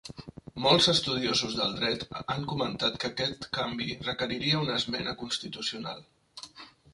Molts estudiosos del dret han comentat que aquest canvi requeriria una esmena constitucional.